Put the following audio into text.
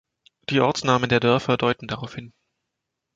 Die Ortsnamen der Dörfer deuten darauf hin.